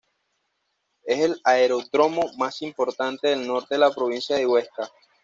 Es el aeródromo más importante del norte de la provincia de Huesca.